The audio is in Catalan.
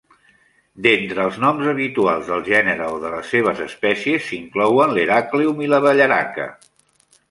D'entre els noms habituals del gènere o les seves espècies s'inclouen l'heracleum i la belleraca.